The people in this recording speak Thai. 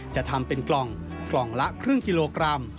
จะทำเป็นกล่องกล่องละครึ่งกิโลกรัม